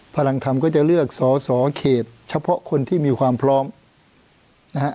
พลังธรรมก็จะเลือกสอสอเขตเฉพาะคนที่มีความพร้อมนะฮะ